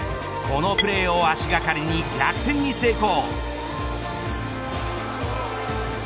このプレーを足掛かりに逆転に成功。